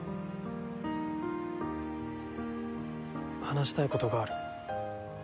話したいことがある。